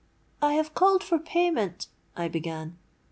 '——'I have called for payment——,' I began.